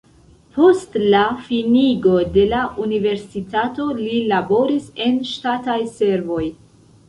Post la finigo de la universitato li laboris en ŝtataj servoj.